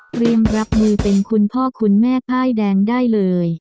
รับมือเป็นคุณพ่อคุณแม่พ่ายแดงได้เลย